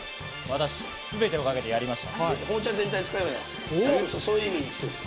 私、すべてをかけてやりました。